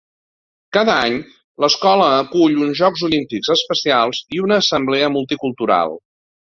Cada any, l'escola acull uns Jocs Olímpics especials i una assemblea multicultural.